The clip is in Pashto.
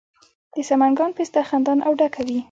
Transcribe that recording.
د سمنګان پسته خندان او ډکه وي.